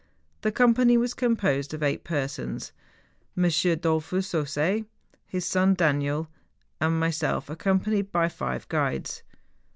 The company was composed of eight persons, IM. Dollfus Ausset, his son Daniel, and myself, accompanied by five guides.